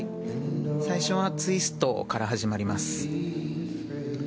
最初はツイストから始まります。